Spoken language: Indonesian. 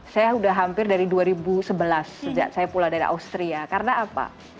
saya sudah hampir dari dua ribu sebelas sejak saya pulang dari austria karena apa